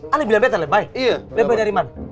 ali bilang bete lebay lebay dari mana